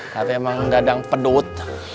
tapi emang dadang pedut